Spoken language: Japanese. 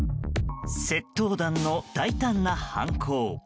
窃盗団の大胆な犯行。